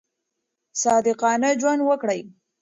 صادقانه ژوند وکړئ.